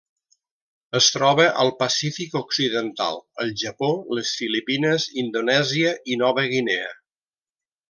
Es troba al Pacífic Occidental: el Japó, les Filipines, Indonèsia i Nova Guinea.